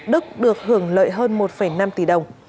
đức được hưởng lợi hơn một năm tỷ đồng